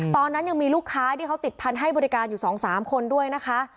ตอนนั้นยังมีลูกค้าที่เขาติดพันธุ์ให้บริการอยู่๒๓คนด้วยนะคะ